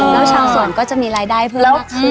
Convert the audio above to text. แล้วชาวส่วนก็จะมีรายได้เพิ่มมากขึ้น